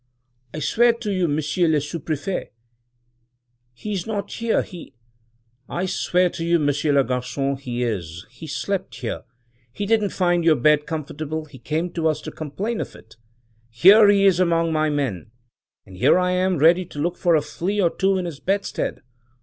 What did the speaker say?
"I swear to you, Monsieur le Sous prefect, he is not here! he —" "I swear to you, Monsieur le Garcon, he is. He slept here — he didn't find your bed comfortable — he came to us to complain of it — here he is among my men — and here am I ready to look for a flea or two in his bedstead.